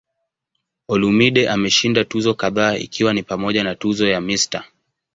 Olumide ameshinda tuzo kadhaa ikiwa ni pamoja na tuzo ya "Mr.